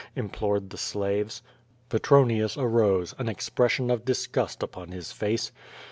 implored the slaves. Petronius arose, an expression of disgust upon his face.